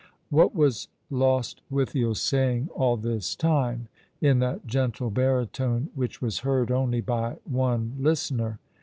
What was Lostwithiel saying all this time in that gentlo baritone, which was heard only by one listener?